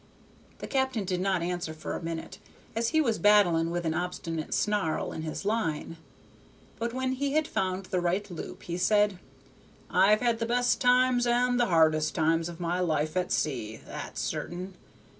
The captain did not answer for a minute, as he was battling with an obstinate snarl in his line; but when he had found the right loop he said, "I've had the best times and the hardest times of my life at sea, that's certain!